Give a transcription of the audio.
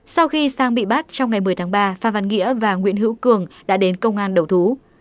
sau khi sang bị bắt trong ngày một mươi tháng ba pha văn nghĩa và nguyễn hữu cường đã đến công an đầu thú